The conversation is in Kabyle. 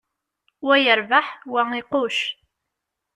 Wa yerbeḥ, wa iqucc.